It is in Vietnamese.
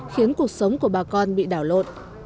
khiến cuộc sống của bà con bị đảo lột